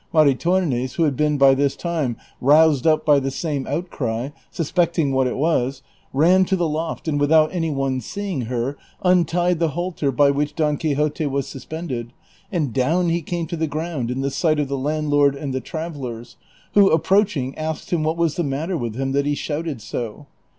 Maritornes, who had been by this time roused up by the same outcry, suspecting what it was, ran to the loft and, without any one seeing her, untied the halter by which Don Quixote was suspended, and down he came to the ground in the sight of the landlord and the trav ellers, who approaching asked him what was the matter with him that he shouted so.